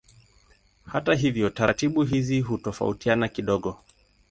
Hata hivyo taratibu hizi hutofautiana kidogo.